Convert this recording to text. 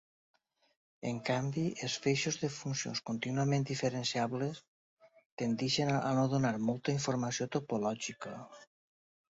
En canvi, els feixos de funcions contínuament diferenciables tendeixen a no donar molta informació topològica.